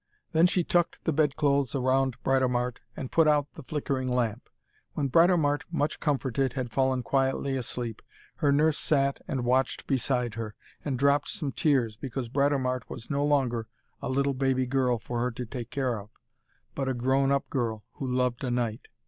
Then she tucked the bedclothes round Britomart, and put out the flickering lamp. When Britomart, much comforted, had fallen quietly asleep, her nurse sat and watched beside her, and dropped some tears because Britomart was no longer a little baby girl for her to take care of, but a grown up girl who loved a knight.